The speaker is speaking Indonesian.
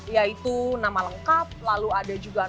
yaitu nama lengkap nilai perjalanan dan nilai perjalanan